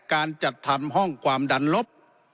การจัดทำห้องความดันลบ